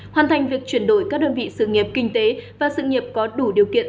hoàn thành việc chuyển đổi các đơn vị sự nghiệp kinh tế và sự nghiệp có đủ điều kiện